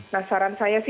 nah saran saya sih